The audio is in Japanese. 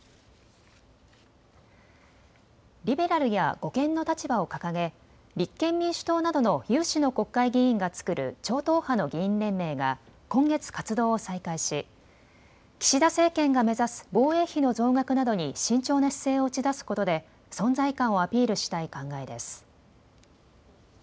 リベラルや護憲の立場を掲げ立憲民主党などの有志の国会議員が作る超党派の議員連盟が今月、活動を再開し岸田政権が目指す防衛費の増額などに慎重な姿勢を打ち出すことで存在感をアピールしたい考えです。